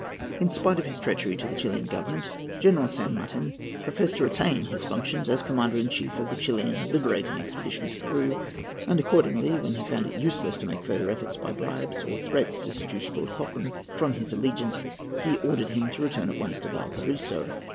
In spite of his treachery to the Chilian Government, General San Martin professed to retain his functions as Commander in Chief of the Chilian liberating expedition to Peru; and, accordingly, when he found it useless to make further efforts, by bribes or threats, to seduce Lord Cochrane from his allegiance, he ordered him to return at once to Valparaiso.